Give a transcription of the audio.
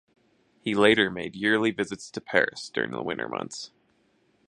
He later made yearly visits to Paris during the winter months.